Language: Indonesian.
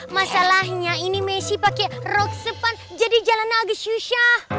masalahnya ini messi pake rok sepan jadi jalan agak susah